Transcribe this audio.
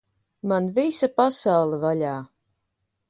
Man visa pasaule vaļā!